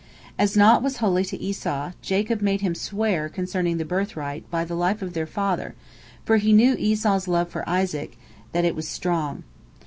As naught was holy to Esau, Jacob made him swear, concerning the birthright, by the life of their father, for he knew Esau's love for Isaac, that it was strong.